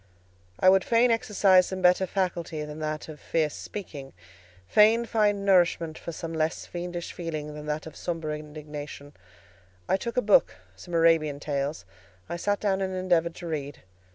I would fain exercise some better faculty than that of fierce speaking; fain find nourishment for some less fiendish feeling than that of sombre indignation. I took a book—some Arabian tales; I sat down and endeavoured to read.